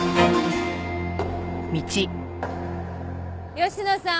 吉野さん